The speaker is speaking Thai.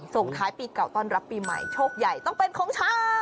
ส่งท้ายปีเก่าต้อนรับปีใหม่โชคใหญ่ต้องเป็นของชาว